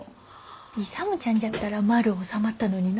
勇ちゃんじゃったら丸う収まったのにな。